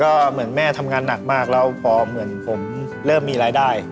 ก็เหมือนแม่ทำงานหนักมากแล้วพอเหมือนผมเริ่มมีรายได้